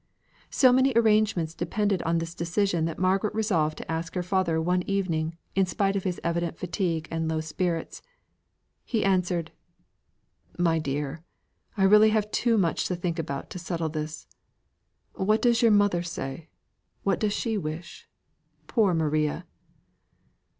So many arrangements depended on this precision that Margaret resolved to ask her father one evening, in spite of his evident fatigue and low spirits. He answered: "My dear! I have really had too much to think about to settle this. What does your mother say? What does she wish? Poor Maria!"